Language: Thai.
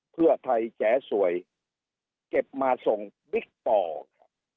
เพื่อไทยแจ๋สวยเก็บมาส่งบิ๊กป่อครับ